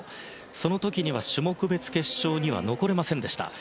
その時には種目別決勝には残れませんでした。